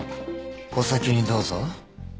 お先にどうぞ。